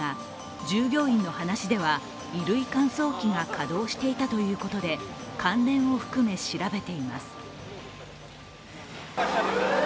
従業員の話では、衣類乾燥機が稼働していたということで関連を含め調べています。